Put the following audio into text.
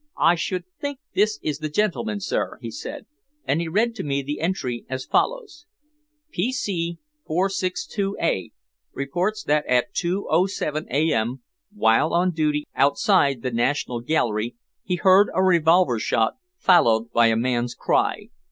"I should think this is the gentleman, sir," he said. And he read to me the entry as follows: "P.C. 462A reports that at 2.07 a.m., while on duty outside the National Gallery, he heard a revolver shot, followed by a man's cry.